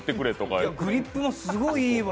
いや、グリップもすごいいいわ。